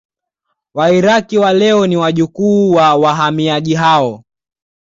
Wairaki wa leo ni wajukuu wa wahamiaji hao